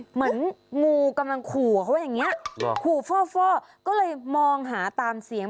เหมือนงูกำลังขู่เขาอย่างนี้ขู่ฟ่อก็เลยมองหาตามเสียง